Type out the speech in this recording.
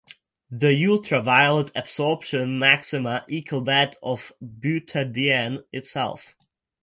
The ultraviolet absorption maxima equal that of butadiene itself.